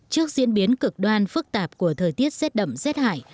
trước diễn biến cực đoan phức tạp của thời tiết rét đậm rét hại